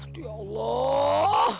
tuh ya allah